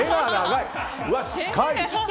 近い。